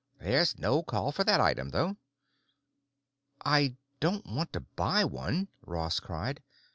There's no call for that item, though." "I don't want to buy one," Ross cried.